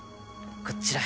こっちら。